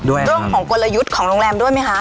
เรื่องของกลยุทธ์ของโรงแรมด้วยไหมคะ